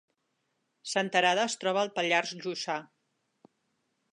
Senterada es troba al Pallars Jussà